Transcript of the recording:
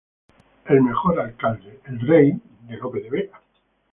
El mejor alcalde, el rey", de Lope de Vega.